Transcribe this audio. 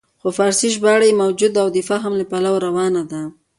خو فارسي ژباړه یې موجوده او د فهم له پلوه روانه ده.